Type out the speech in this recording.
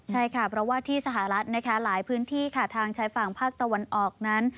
ใช่ค่ะเพราะว่าที่สหรัฐนะคะหลายพื้นที่ค่ะทางชายฝั่งภาคตะวันออกนั้น